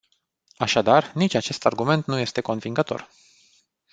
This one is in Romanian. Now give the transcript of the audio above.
Așadar, nici acest argument nu este convingător.